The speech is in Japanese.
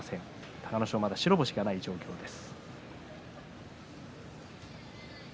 隆の勝、まだ白星のない状況です。